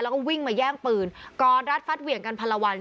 แล้วก็วิ่งมาแย่งปืนกรรรดิ์ฟัดเหวี่ยงกันภารวัล